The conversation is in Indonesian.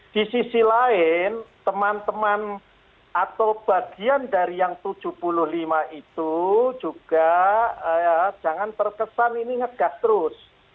di sisi lain teman teman atau bagian dari yang tujuh puluh lima itu juga jangan terkesan ini ngegas terus